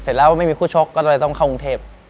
เสร็จแล้วไม่มีคู่ชกก็เลยต้องเข้ากรุงเทพ